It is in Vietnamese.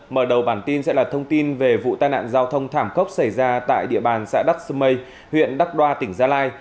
mở đầu bản tin sẽ là thông tin về vụ tai nạn giao thông thảm khốc xảy ra tại địa bàn xã đắc sâm mây huyện đắc đoa tỉnh gia lai